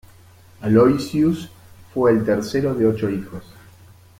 Aloysius fue el tercero de ocho hijos.